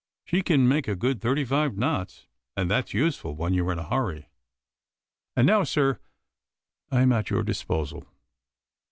She can make a good thirty five knots, and that's useful when you're in a hurry. And now, sir, I am at your disposal."